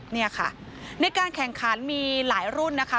นี่ค่ะในการแข่งขันมีหลายรุ่นนะคะ